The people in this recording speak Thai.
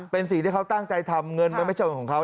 เป็นสิ่งที่เขาตั้งใจทำเงินมันไม่ใช่เงินของเขา